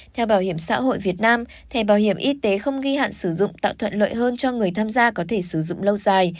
theo bảo hiểm xã hội việt nam thẻ bảo hiểm y tế không ghi hạn sử dụng tạo thuận lợi hơn cho người tham gia có thể sử dụng lâu dài